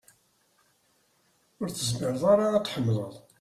Ur tezmreḍ ara ad tḥemmleḍ ?